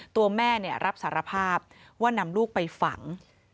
ตัวแม่รับสารภาพว่านำลูกไปฝัง